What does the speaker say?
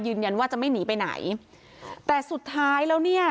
ยืนยันว่าจะไม่หนีไปไหนแต่สุดท้ายแล้วเนี่ย